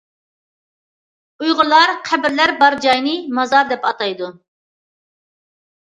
ئۇيغۇرلار قەبرىلەر بار جاينى‹‹ مازار›› دەپ ئاتايدۇ.